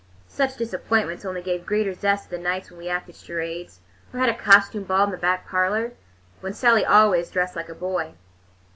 Such disappointments only gave greater zest to the nights when we acted charades, or had a costume ball in the back parlor, with Sally always dressed like a boy.